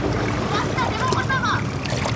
او خپله لوبه په مهارت کوو.